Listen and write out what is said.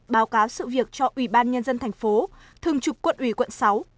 báo cáo sự việc cho ubnd thành phố thường trục quận ủy quận sáu